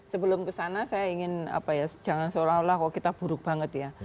sebelum kesana saya ingin apa ya jangan seolah olah kok kita buruk banget ya